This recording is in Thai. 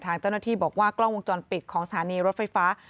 ทางเจ้าหน้าที่บอกว่ากล้องวงจรปิดของสถานีรถไฟฟ้า